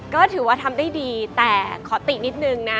ก็ถือว่าทำได้ดีแต่ขอตินิดนึงนะ